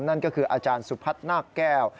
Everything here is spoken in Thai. นั่นก็คืออาจารย์สุพัฒน์นาคแก้ว